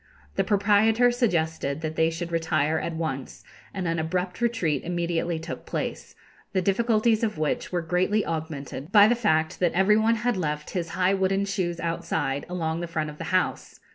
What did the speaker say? The proprietor suggested that they should retire at once, and an abrupt retreat immediately took place, the difficulties of which were greatly augmented by the fact that every one had left his high wooden shoes outside, along the front of the house.